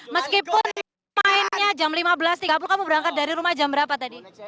meskipun mainnya jam lima belas tiga puluh kamu berangkat dari rumah jam berapa tadi